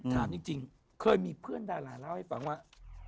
ถามจริงเคยมีเพื่อนดาราเล่าให้ฟังว่า